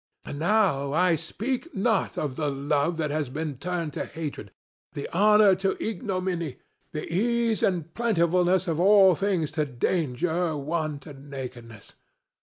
And now I speak not of the love that has been turned to hatred, the honor to ignominy, the ease and plentifulness of all things to danger, want and nakedness.